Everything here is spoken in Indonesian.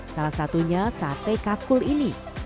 salah satunya sate kakkul ini